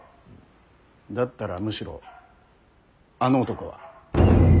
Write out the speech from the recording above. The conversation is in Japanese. だったらむしろあの男は。